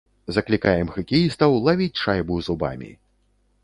Заклікаем хакеістаў лавіць шайбу зубамі.